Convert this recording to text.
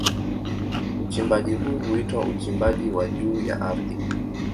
Uchimbaji huu huitwa uchimbaji wa juu ya ardhi.